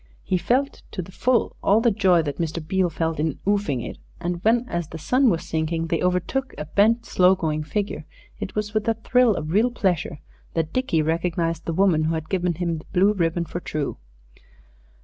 He felt to the full all the joy that Mr. Beale felt in "'oofing it," and when as the sun was sinking they overtook a bent, slow going figure, it was with a thrill of real pleasure that Dickie recognized the woman who had given him the blue ribbon for True.